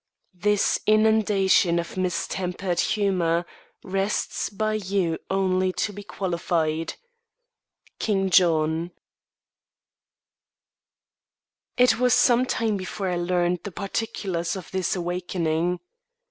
This inundation of mistempered humour Rests by you only to be qualified. King John. It was some time before I learned the particulars of this awakening.